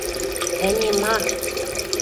– Ӹне ма?